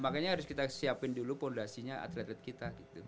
makanya harus kita siapin dulu fondasinya atlet atlet kita gitu